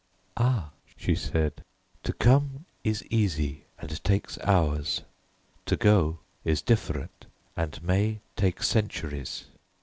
"Ah," she said, "to come is easy and takes hours; to go is different and may take centuries."